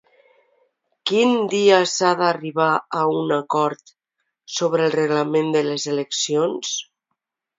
Quin dia s'ha d'arribar a un acord sobre el reglament de les eleccions?